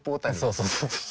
そうそうそうそう。